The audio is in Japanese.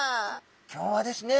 今日はですね